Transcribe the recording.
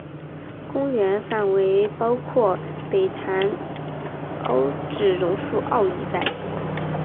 公园范围包括北潭凹至榕树澳一带。